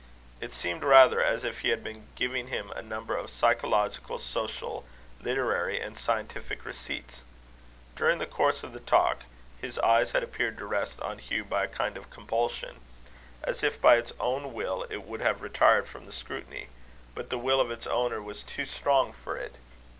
It seemed rather as if he had been giving him a number of psychological, social, literary, and scientific receipts. During the course of the talk, his eye had appeared to rest on Hugh by a kind of compulsion; as if by its own will it would have retired from the scrutiny, but the will of its owner was too strong for it.